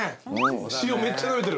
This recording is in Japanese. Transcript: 塩めっちゃなめてる。